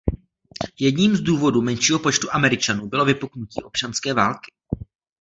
Jedním z důvodů menšího počtu Američanů bylo vypuknutí občanské války.